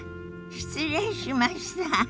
失礼しました。